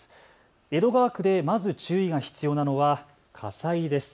江戸川区でまず注意が必要なのは火災です。